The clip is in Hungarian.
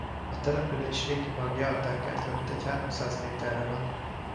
A település régi magja a tengertől mintegy háromszáz méterre van.